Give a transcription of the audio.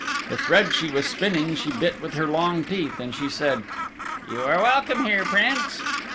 The thread she was spinning she bit with her long teeth, and she said, "You are welcome here, Prince."